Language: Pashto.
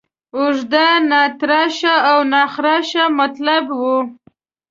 اوږده، ناتراشه او ناخراشه مطالب وو.